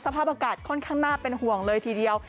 สภาพอากาศค่อนข้างน่าเป็นห่วงเลยทีเดียว